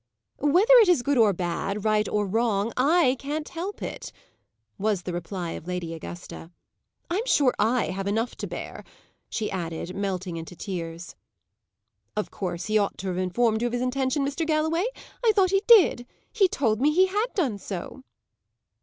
"Whether it is good or bad, right or wrong, I can't help it," was the reply of Lady Augusta. "I'm sure I have enough to bear!" she added, melting into tears. "Of course he ought to have informed you of his intention, Mr. Galloway. I thought he did. He told me he had done so."